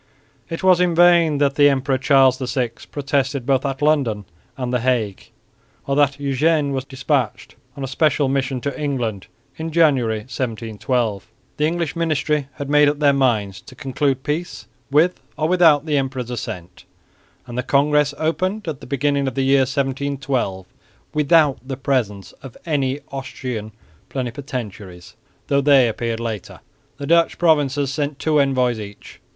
It was in vain that the Emperor Charles VI protested both at London and the Hague, or that Eugene was despatched on a special mission to England in January, 1712. The English ministry had made up their minds to conclude peace with or without the emperor's assent; and the congress opened at the beginning of the year 1712 without the presence of any Austrian plenipotentiaries, though they appeared later. The Dutch provinces sent two envoys each.